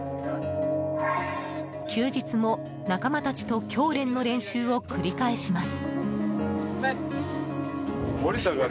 休日も仲間たちと教練の練習を繰り返します。